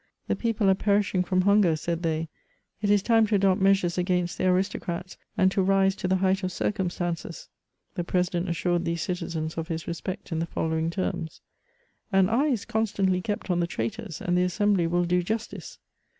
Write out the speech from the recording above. ^' The people are perishing from hunger," said they ; ^Mt is time to adopt measures against the aristocrats, and to rise to the height of circumstances.^^ The pre sident assured these citizens of his respect in the following terms :—" An eye is constantiy kept on the traitors, and the Assembly will do justice.''